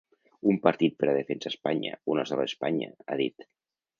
Un partit per a defensar Espanya, una sola Espanya, ha dit.